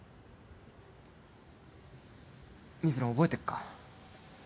水野覚えてっか？